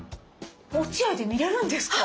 落合で見れるんですか！